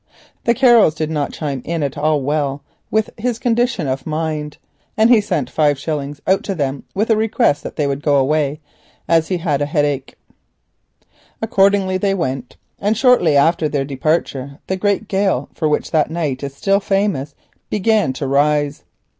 The carols did not chime in at all well with his condition of mind, and he sent five shillings out to the singers with a request that they would go away as he had a headache. Accordingly they went; and shortly after their departure the great gale for which that night is still famous began to rise.